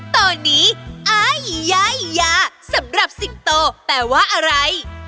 ตอนนี้ไอยายยาสำหรับสิงโตแปลว่าอะไร